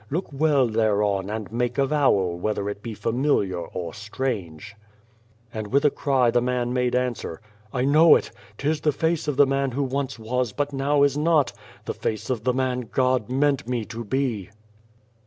Look well thereon and make avowal whether it be familiar or strange." And with a cry the man made answer :" I know it. Tis the face of the man who once was, but now is not. The face of the man God meant me to be."